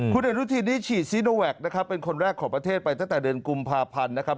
คุณอนุทินนี่ฉีดซีโนแวคนะครับเป็นคนแรกของประเทศไปตั้งแต่เดือนกุมภาพันธ์นะครับ